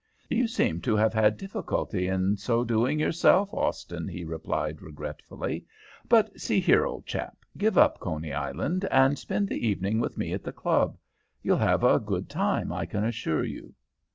"'You seem to have had difficulty in so doing yourself, Austin,' he replied, regretfully; 'but see here, old chap, give up Coney Island, and spend the evening with me at the club. You'll have a good time, I can assure you.'